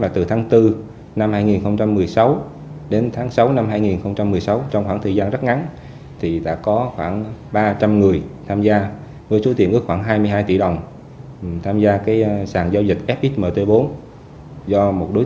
từ tháng bốn năm hai nghìn một mươi sáu đến tháng sáu năm hai nghìn một mươi sáu trong khoảng thời gian rất ngắn thì đã có khoảng ba trăm linh người tham gia với số tiền ước khoảng hai mươi hai tỷ đồng tham gia sàn giao dịch fxmt bốn do một đối tượng ở tp hcm gầm đầu